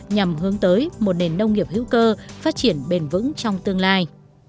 nhằm hướng tới một nền nông nghiệp hữu cơ phát triển bền vững trong tương lai